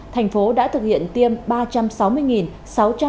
thành phố đã thực hiện dịch bệnh